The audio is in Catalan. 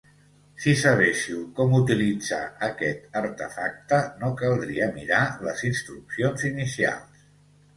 Si sabessiu com utilitzar aquest artefacte no caldria mirar les instruccions inicials